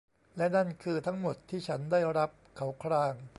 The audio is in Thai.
และนั่นคือทั้งหมดที่ฉันได้รับ เขาคราง